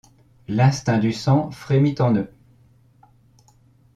L’instinct du sang frémit en eux.